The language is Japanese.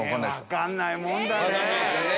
分かんないもんだね。